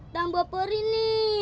tambah perih nih